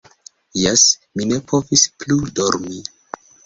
Jes, mi ne povis plu dormi.